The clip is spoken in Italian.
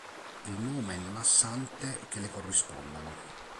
Il nome non ha sante che le corrispondano.